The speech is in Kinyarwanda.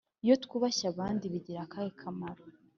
Iyo twubashye abandi bigira akahe kamaro